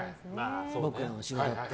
僕のお仕事って。